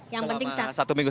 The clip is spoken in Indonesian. yang penting satu minggu